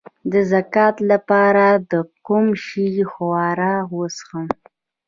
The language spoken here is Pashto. د زکام لپاره د کوم شي ښوروا وڅښم؟